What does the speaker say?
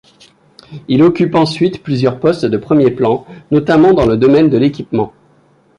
Il occupe ensuite plusieurs postes de premier plan, notamment dans le domaine de l'équipement.